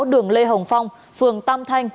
đường lê hồng phong phường tam thanh